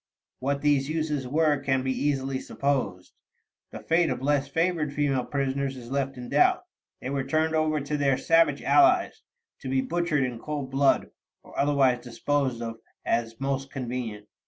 What these uses were can be easily supposed. The fate of less favored female prisoners is left in doubt; they were turned over to their savage allies, to be butchered in cold blood, or otherwise disposed of as most convenient.